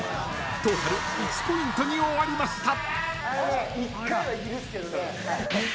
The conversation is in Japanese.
［トータル１ポイントに終わりました］